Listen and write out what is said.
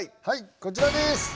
はいこちらです。